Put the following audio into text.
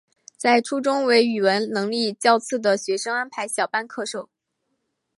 在初中为语文能力较次的学生安排小班授课。